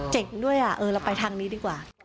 ด้วยเราไปทางนี้ดีกว่า